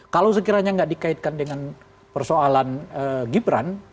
kalau sekiranya nggak dikaitkan dengan persoalan gibran